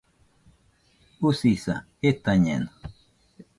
Usisa, jetañeno